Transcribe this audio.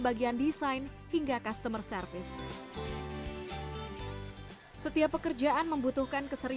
kalian dari dua orang mulainya sekarang sudah punya banyak karyawan di sini